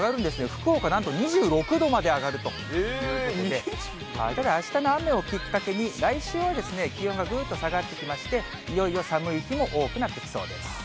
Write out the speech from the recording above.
福岡、なんと２６度まで上がるということで、ただ、あしたの雨をきっかけに、来週は気温がぐんと下がってきまして、いよいよ寒い日も多くなってきそうです。